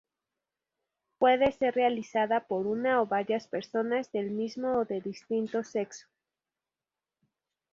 Puede ser realizada por una o varias personas, del mismo o de distinto sexo.